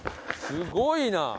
すごいな。